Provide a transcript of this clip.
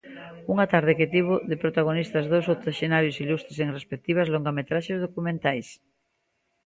Unha tarde que tivo de protagonistas dous octoxenarios ilustres en respectivas longametraxes documentais.